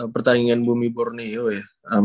pertandingan bumi borneo ya